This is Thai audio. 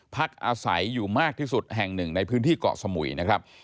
พักอาศัยอยู่มากที่สุดแห่งหนึ่งในพื้นที่เกาะสมุยนะครับ